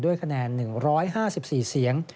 ด้วยคะแนน๑๕๔เสียง